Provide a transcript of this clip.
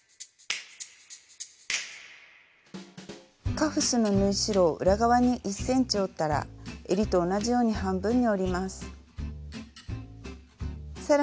カフスの縫い代を裏側に１ｃｍ折ったらえりと同じように半分に折ります。